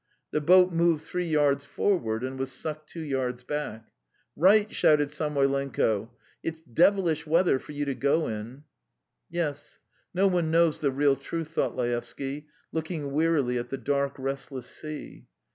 The boat moved three yards forward and was sucked two yards back. "Write!" shouted Samoylenko; "it's devilish weather for you to go in." "Yes, no one knows the real truth ..." thought Laevsky, looking wearily at the dark, restless sea.